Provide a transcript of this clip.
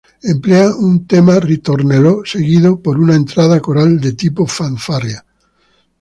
Emplea un tema "ritornello" seguido por una entrada coral de tipo fanfarria.